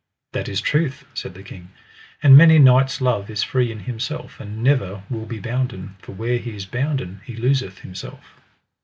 That is truth, said the king, and many knight's love is free in himself, and never will be bounden, for where he is bounden he looseth himself.